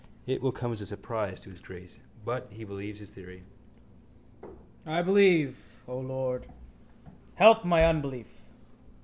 It will come as a surprise to his grace. But he believes his theory. I believe, O Lord, help my unbelief.